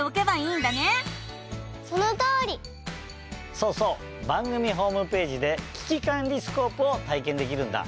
そうそう番組ホームページで「キキカンリスコープ」をたいけんできるんだ！